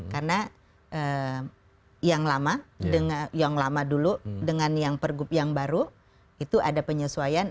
karena yang lama dulu dengan yang baru itu ada penyesuaian